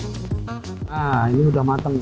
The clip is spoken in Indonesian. nah ini sudah matang